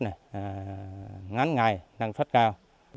ngắn ngày năng suất cao